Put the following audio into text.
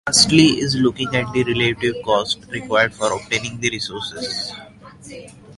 Lastly is looking at the relative cost required for obtaining the resources.